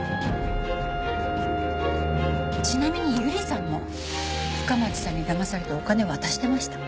ちなみに友梨さんも深町さんにだまされてお金渡してました。